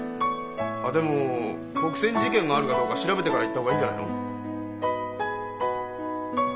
あっでも国選事件があるかどうか調べてから行った方がいいんじゃないの？